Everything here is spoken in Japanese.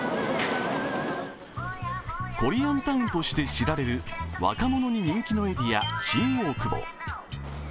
コリアンタウンとして知られる若者に人気のエリア、新大久保。